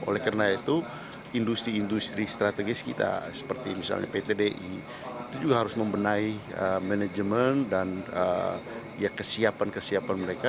oleh karena itu industri industri strategis kita seperti misalnya pt di itu juga harus membenahi manajemen dan kesiapan kesiapan mereka